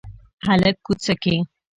هلک کوڅه کې